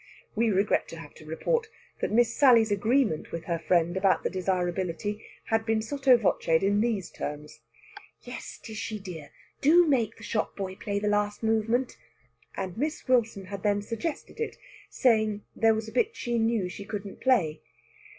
We regret to have to report that Miss Sally's agreement with her friend about the desirability had been sotto voce'd in these terms: "Yes, Tishy dear! Do make the shop boy play the last movement." And Miss Wilson had then suggested it, saying there was a bit she knew she couldn't play.